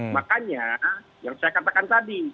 makanya yang saya katakan tadi